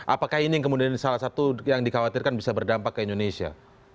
apakah ini yang kemudian salah satu yang dikhawatirkan bisa berdampak ke indonesia